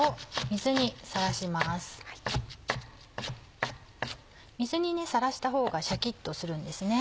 水にさらしたほうがシャキっとするんですね。